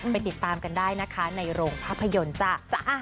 ติดตามกันได้นะคะในโรงภาพยนตร์จ้ะ